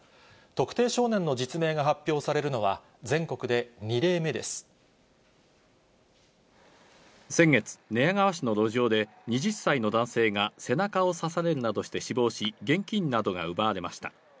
特定少年の実名が発表されるのは、先月、寝屋川市の路上で２０歳の男性が背中を刺されるなどして死亡し、現金などが奪われました。